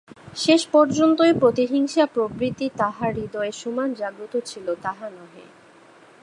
শেষ পর্যন্তই প্রতিহিংসা-প্রবৃত্তি তাঁহার হৃদয়ে সমান জাগ্রত ছিল তাহা নহে।